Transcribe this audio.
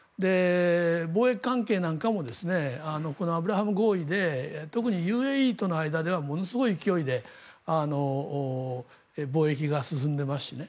貿易関係なんかもこのアブラハム合意で特にＵＡＥとの間ではものすごい勢いで貿易が進んでいますしね。